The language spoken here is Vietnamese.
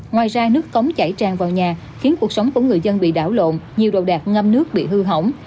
ngoài ra nước cống chảy tràn vào nhà khiến cuộc sống của người dân bị đảo lộn nhiều đồ đạc ngâm nước bị hư hỏng